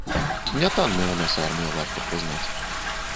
Нятанная ў нас армія, варта прызнаць.